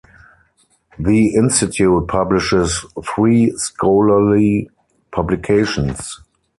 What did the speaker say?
The institute publishes three scholarly publications.